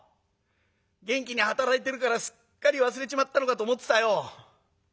元気に働いてるからすっかり忘れちまったのかと思ってたよ。